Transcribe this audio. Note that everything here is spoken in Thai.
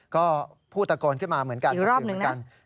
ก็พูดตะโกนขึ้นมาเหมือนกันอีกรอบหนึ่งนะ